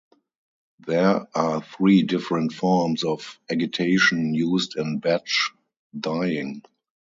There are three different forms of agitation used in batch dyeing.